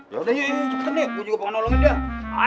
yaudah yuk cepetan deh gua juga pengen nolongin dia